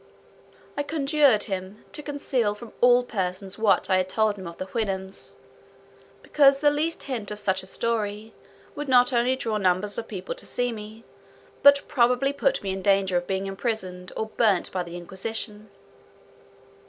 I conjured him "to conceal from all persons what I had told him of the Houyhnhnms; because the least hint of such a story would not only draw numbers of people to see me, but probably put me in danger of being imprisoned, or burnt by the Inquisition."